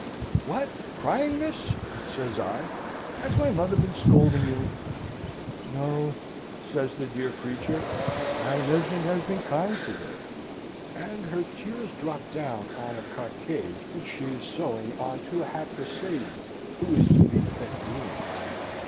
"'What! crying, miss?' says I. 'Has my mother been scolding you?' "'No,' says the dear creature. 'Madam Esmond has been kind to day.' "And her tears drop down on a cockade which she is sewing on to a hat for Sady, who is to be head groom.